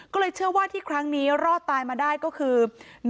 ก็เลยเชื่อว่าที่ครั้งนี้รอดตายมาได้ก็คือ